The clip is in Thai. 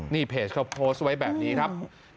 นี่เพจเขาโพสต์ไว้แบบนี้ครับ